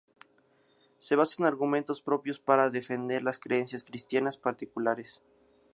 Se basa en argumentos propios para defender las creencias cristianas particulares.